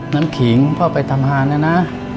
น้ำขิงพ่อไปทำงานหน่านะ